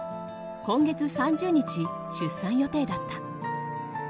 今月３０日、出産予定だった。